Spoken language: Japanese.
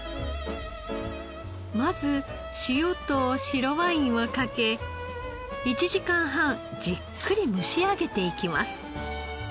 まず塩と白ワインをかけ１時間半じっくり蒸し上げていきます。